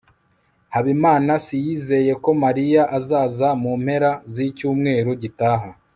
habimanaasi yizeye ko mariya azaza mu mpera z'icyumweru gitaha